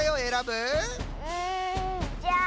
うんじゃあ。